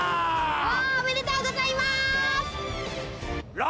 おめでとうございます！